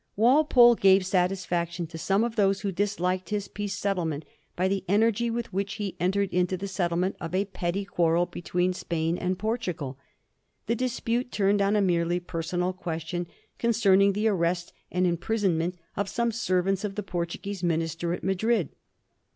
Walpole gave satisfaction to some of those who disliked his peace policy by the energy with which he entered into the settlement of a petty quarrel between Spain and Por tugal. The dispute turned on a merely personal question concerning the arrest and imprisonment of some servants of the Portuguese minister at Madrid.